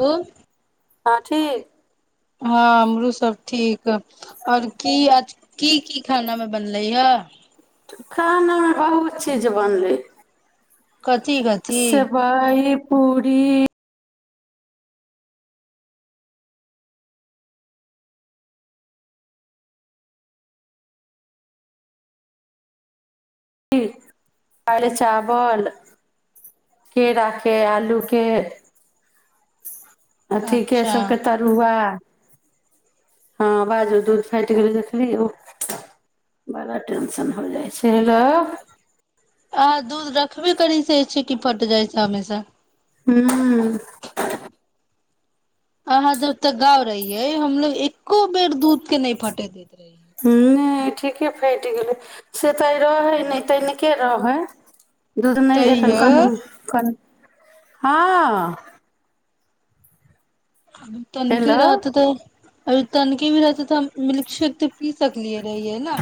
ह अथी हँ हमरो सब ठीक [inaudible] और की आज की की खाना मे बनलै है खाना बहुत चीज बन लै कथी कथी सेबैय पूड़ी दालि चावल केराकेँ आलूकेँ ह [inaudible] अथिकेँ अच्छा सभकेँ तरुआ हँ बाजू दूध फाटि गेलै देखलिय बड़ा टेंशन हो जाइत छै हेलो की करैत से छी की फट जाइत छै हमेसा हूँ अहाँ जब तक गाँव रहियै हमलोग एको बेर दूधकेँ नहि फटैय दैत रहियै नहि ठीके फाटि गेलैय से तऽ आय रहैय नहि तनिके रहैय दूध नहि रहैय एखन तैयो कनी अभी कन हँ तनकी हेलो रहतै तऽ अरे तनिके भी रहतै तऽ हम मिल्कशेक तऽ पी सकलियै रहियै न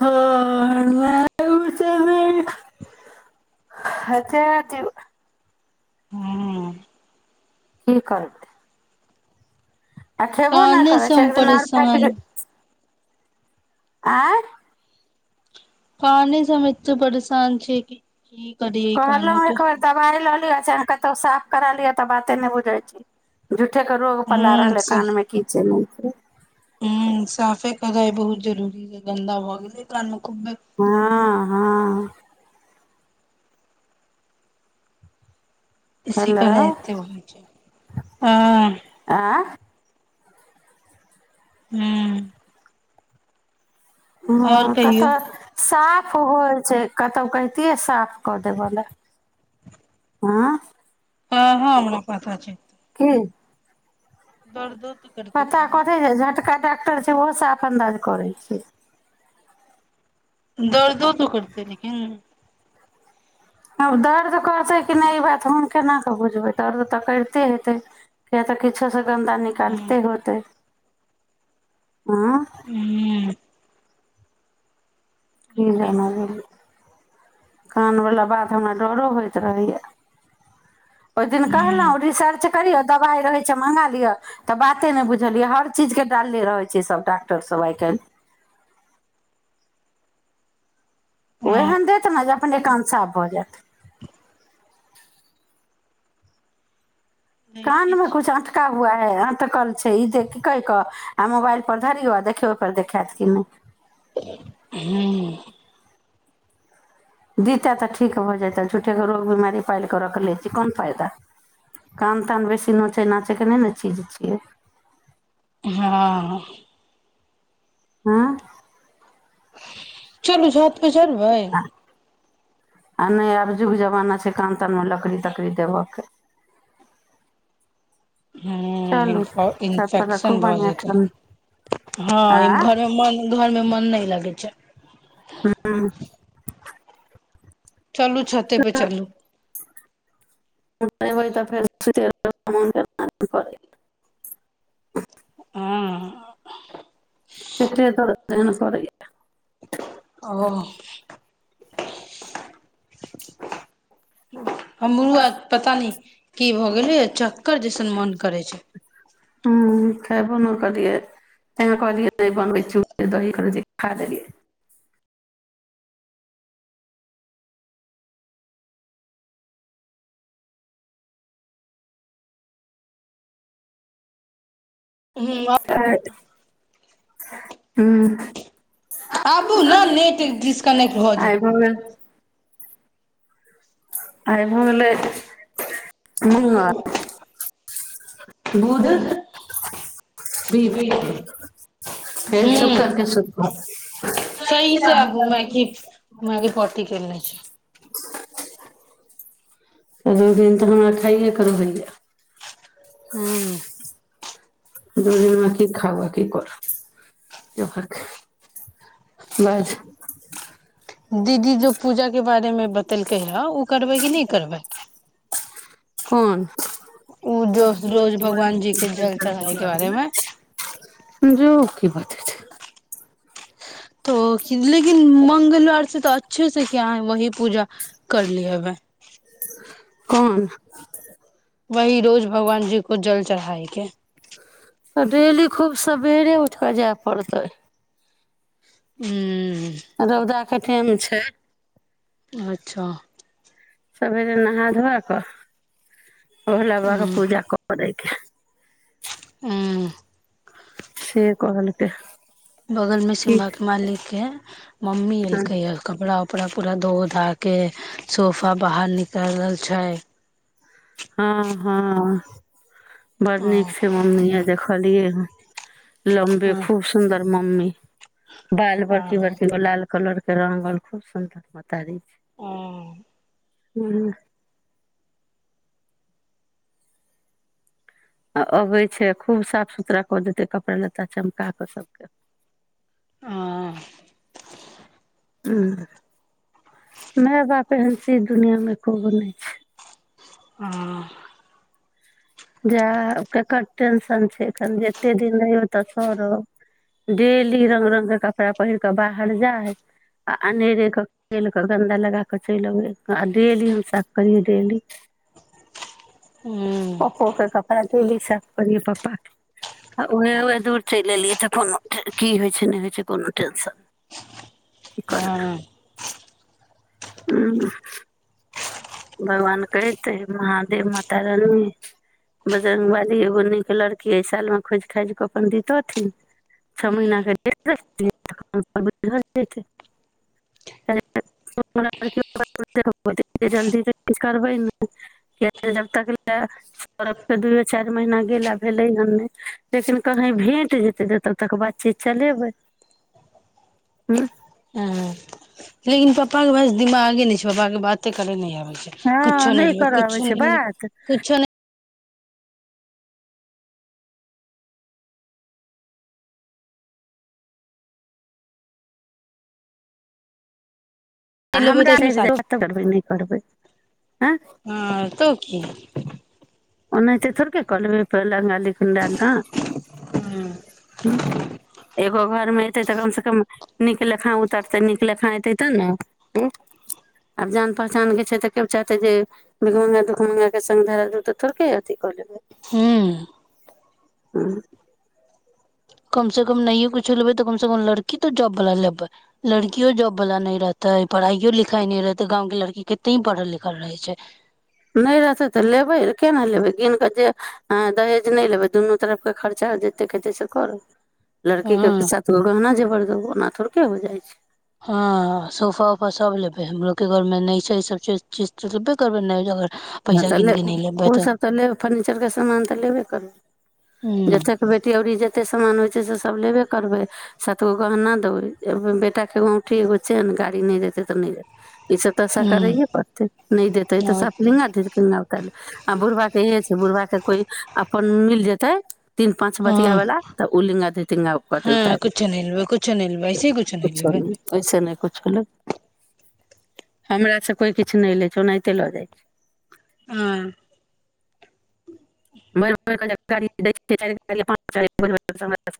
हँ लालूसँ नहि हँ जे दियौ हम्म की करतै आ खएबो नहि काने से करैत छै हम एकदिन आर फाटि परेशान गेल आएं कानेसँ हम एतेक परेसान छियै की करियै कहलौं कानऽ एक के बेर दबाइ लऽ लीयऽ चाहे कतहु साफ करा लिअऽ तऽ बाते नहि बुझैत छी झूठे केँ रोग पला हूँ रहलैए कानमे की छै नहि छै [inaudible] हम्म साफे करैइ बहुत जरूरी छैय गन्दा भऽ गेल कान खुब्बे हँ हँ इसी हेलो कहै एते व छैय हँ आँ हूँ आओर ह कहियौ कतऽ सा साफ होइ छैय कतहु कहितियै साफ कऽ देबय ला हँ हँ हमरा पता छैय हं दर्द पता कथी छैय झटका छैय ओहो साफ अन्दाज करै छैय। दर्दो तो करते लेकिन आब दर्द कहतै कि नहि ई बात हम केना कऽ बुझबै दर्द तऽ करिते हेतै किया तऽ किछो से गधा हूँ निकालते होतै आँ हूँ कि की जान गीलीयै। कानवला बात हमरा डरो होइत रहै य ओहि दिन कहलव हूँ रिसर्च करिय तब रह छै माँगा लिया त बाते नय बुझलियाय सब चीज के डालने रहय छैय सब डाक्टर सब आय कायल। ओहि हँ ह दे तना जा अपन एक कान साफ भऽ जायत [inaudible] देखै कान मे छियै कछ अटका आटकल छैय ई देख कै क आ मोबाइल पर धरियौ देखियौ ओहिपर देखत कि नहि। ह्म दितै तऽ ठीक भऽ जयतै झूठ्ठेके रोग बिमारी पालि कऽ रखि लै छी कोन फायइदा कान तान बेसी नोचय नाचयके नहि ने चीज छियै। हँ आँ चलू झ पर चलबय आ नहि आब जुग जमाना छैय कान तन लकड़ी तकड़ी देबऽ के चलू ह छत पर तऽ इन्फेक्शन खूब भऽ बढ़िआँ जेतै ठण्ड आ हँ घर मे घर मे मन नहि लगै छैय हँ चलू छाते परे चलू तऽ फेर [unintelligible] हँ श सर ओ हमरो आर पता न की भऽ गेलै चक्कर जैसन मोन करै छै ह खाय बोन करलियै तैँँ कहलियै नहि बनबै छिय दही ख खा देलियै ह आ हू आबू ने नेट डिस कनेक्ट भऽ आइ जेतै गेल आइ भ् गेले मंगल दूध ह पी फेर सब करके सुतबा सही से आबू मै की मैरी पोटी करने छै दु दिन तऽ हमरा खाइए क रहैए ह्म दु दिनमे की खावऽ की कर जो भक दीदी जो पूजा के बारे मे बतेलकै ह ओ करबै कि नहि करबै कोन ओ जो रोज भगवान जी के जल चढ़ायके बारेमे जो की बात छै त लेकिन मंगलवार तऽ अच्छे से किये वही पूजा करलीएवे कोन वही रोज भगवान जी को जल चढ़ायके तऽ डेली खूब सवेरे उठि कऽ जाय पड़तै हू रौदा कतेने छै अच्छा सबेरे नहा धोआ कऽ भोला बाबाके पूजा करैके हइ हँ से कहलकै बगलमे की सिम्भाके मालिक के मम्मी हँ एलकै कपड़ा कपड़ा पूरा धो धा के सोफा बाहर निकालल छै हँ हँ बड़ नीक हँ छै मम्मीए देखलियै ह लम्बे हँ खूब सुन्दर मम्मी बाल बकी हँ बकी बला ल कलर के रंगल खूब सुंन्दर मतारी ओ हँ आ अबै छै खूब साफ सुथरा कऽ देतै कपड़ा लत्ता चमका कऽ सभके हं हूं माय बाप एहन चीज दुनिया में कोनो नहि छै हं जा ककर टेंशन छै एते दिन रहियौ तऽ करब डेली रंग रंग के कप कपड़ा पहिर के बाहर जाइ आ अनेरे क खेल क गन्दा लगा कऽ चलि अबै आ डेली हम साफ करियै डेली हूं पप्पो के कपड़ा डेली साफ कहलियै पप्पा के आ ओहे ओहे दूर चलि एलियै तऽ कोनो की होइ छै नहि होइ छै कोनो टेंशन कि करबै हँ भगवान कहितै महादेव माता रानी बजरंग बाली एगो नीक लड़की अय सालमे खोजि खाजि कऽ अपन दितथिन छ महिना क हूँ डेटै [unintelligible] हमरा आर जल्दी करबै नै किए कि जब तक लए छौराके दुइए चारि महीना गेला भेलै हन नई लेकिन कहीँ भेट जेतै तऽ तब तक बातचीत चलेबै हँ लेकिन पप्पा के बस दिमागे नहि छौ पप्पा के बाते करै नै आबै छै हँ कुछो नै नहि लेबै कर कुछो अबैइ छै नहि लेबै बात कुछो आ नहि लेबै हमराबै तऽ शादी नहि करबै आ [unintelligible] हँ तऽ की ओनाहिते थोरके क लेबै पहिले ल एगो घर मे एतै तऽ कम से कम [unintelligible] नीक लेखा उतरतै नीक लेखा एतै त न ऊं आब जान पहचान के छै तऽ केओ चाहते जे भिखमङ्गा दुखम्गां के संग धरादेतै थोरके अथी कलेबै हूं हँ कम से कम नहियो कुच्छो लेबै तऽ कम से कम लड़की तो जॉब वाला लेबै लड़कियो जॉब वाला नई रहतै पढ़ाइयो लिखाई नई रहतै गाँवके लड़की केत्ते ही पढ़ल लिखल रहै छैइ नहि रहतै तऽ लेबे केना लेबै गिन कऽ जे दहेज नई लेबै दुनू तरफके खर्चा जतेक हेतै से करौ लड़की के हँ पैसा त उ गहना जेबर ओना थोड़केे हो जाइ छैइ हँअ सोफा उफा सब लेबै हमरो के घर मे नई छैइ ई सब चीज तऽ लेबे करबै नइ जे अग हँअ् तऽ ले ओसभ तऽ लेब फर्नीचर के सामान तऽ लेबे करबै हूँ जतेक बेटी औरी जतेक सामान होइ से सब लेबे करबै सात गो गहना देबै बेटा के एगो औंठी एगो चेन गाड़ी नई देतै तऽ नई ई सब तऽ हूँ साकरैये पड़तैइ न देते तऽ हँ सब बुढ़बा के इहे छै बुढ़बा के कोइ अपन मिल जेतै तीन पाँच हँ बतियावला तऽ ओ लिंगा धतिंगा कहतैइ हँ उतार ले कुछो नहि लेबै कुछो नहि लेबै ऐसे ही कुछो लेबै नहि ओहिसे नई कुच्छो ले हमरा से कोइ किछु नहि लै छै ओनाहिते लऽ जाइ छै आ [unintelligible]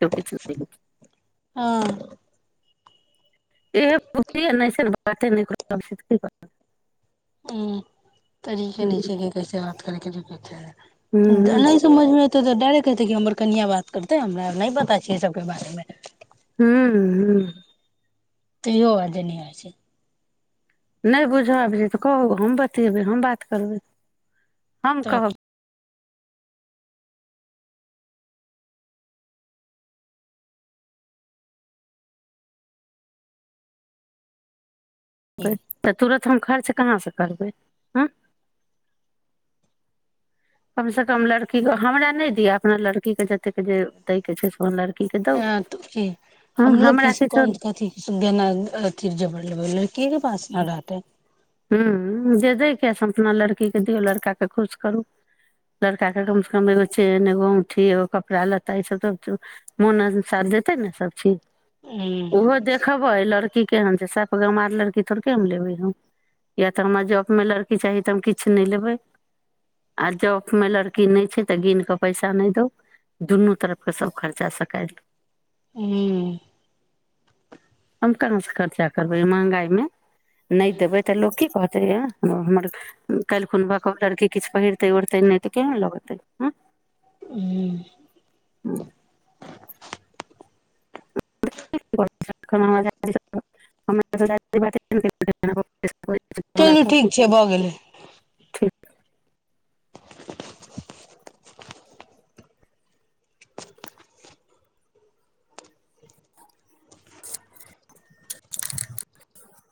हँ [unintelligible] [unintelligible] [unintelligible] [unintelligible] नहि करब। हूँ हूँ समझमे त तऽ डायरेकहते कि हमर कनिआ बात करतै हमरा नहि पता छै सबके बारे मे हूँ [unintelligible] नहि बुझब आब जे तऽ कहू हम बतेबै हम बात करबै हम तऽ कहब तऽ तुरत [unintelligible] कम से कम लड़कीे हमरा नहि दि अपना लड़की के जतेक जे दै के छै से ल अ हमलोग कि हमरा किछो कोन कथि गनाथिी जर ल की के पास न रहतै हूँ जे दैके से अपना लड़कीके दियऔ लड़काके खुश करू लड़काके कम से कम एगो चेन एगो औठी एगो कपड़ा लत्ता ई सब मोनसार देतै ने सब चीज ह ओहो देखबै लड़की केहन छै साफ गामार लड़की थोड़केे हम लेबे हम या तऽ हमरा जॉबमे लड़की चाही तऽ हम किछु नहि लेबै आ जॉबमे लड़की नहि छै तऽ गिन कऽ पैसा नहि दू दुनू तरफके सभ खर्चा सकाय ल हू हम कहाँ से खर्चा करबै महगाई मे नहि देबै तऽ की कहतैर कालखुन लड़की किछ पहिरतै ओढ़तै नहि तऽ केन लै ह [inaudible] तेली ठीक हमरा छैय भऽ गेलै